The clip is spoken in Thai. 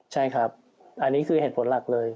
ใช่ครับอันนี้คือเหตุผลหลักเลย